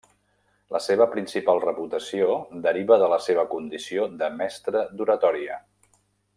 La seva principal reputació deriva de la seva condició de mestre d'oratòria.